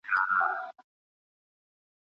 انار ایښي دي د زرو په ټوکرۍ کې